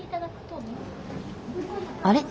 あれ？